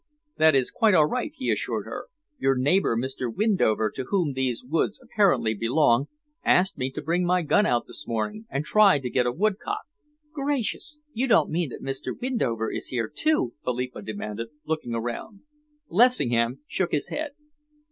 "That is quite all right," he assured her. "Your neighbour, Mr. Windover, to whom these woods apparently belong, asked me to bring my gun out this morning and try and get a woodcock." "Gracious! You don't mean that Mr. Windover is here, too?" Philippa demanded, looking around. Lessingham shook his head.